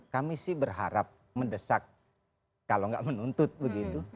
kami sih berharap mendesak kalau nggak menuntut begitu